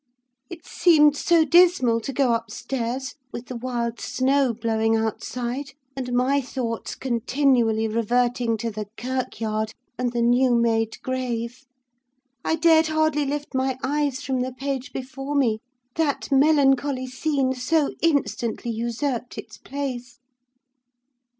It seemed so dismal to go upstairs, with the wild snow blowing outside, and my thoughts continually reverting to the kirkyard and the new made grave! I dared hardly lift my eyes from the page before me, that melancholy scene so instantly usurped its place.